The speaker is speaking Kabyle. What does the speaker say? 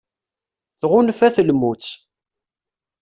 Tɣunfa-t lmut.